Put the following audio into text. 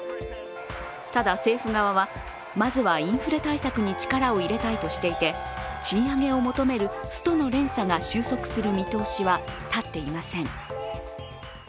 ただ、政府側はまずはインフレ対策に力を入れたいとしていて賃上げを求めるストの連鎖が収束する見通しはたっていません。